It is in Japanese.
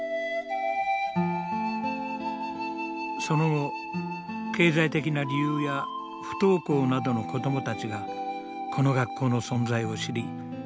その後経済的な理由や不登校などの子どもたちがこの学校の存在を知り